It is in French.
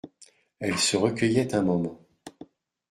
Elle se recueillait un moment.